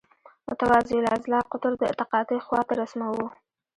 متوازی الاضلاع قطر د تقاطع خواته رسموو.